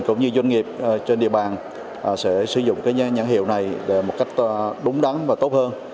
cũng như doanh nghiệp trên địa bàn sẽ sử dụng nhãn hiệu này để một cách đúng đắn và tốt hơn